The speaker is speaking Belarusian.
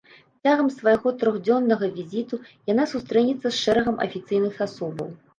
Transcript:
Цягам свайго трохдзённага візіту яна сустрэнецца з шэрагам афіцыйных асобаў.